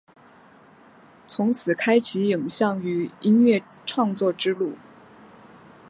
从此开启影像与音乐创作之路。